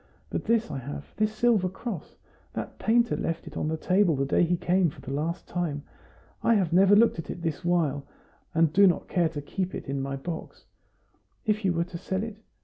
But this I have this silver cross. That painter left it on the table the day he came for the last time. I have never looked at it all this while, and do not care to keep it in my box; if you were to sell it?